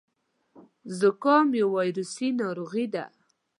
زکام يو وايرسي ناروغي ده.